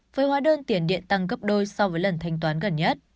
với hóa đơn tiền điện tăng gấp đôi so với lần thanh toán gần nhất